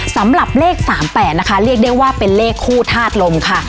สำหรับเลข๓๘นะคะเรียกได้ว่าเป็นเลขคู่ธาตุลมค่ะ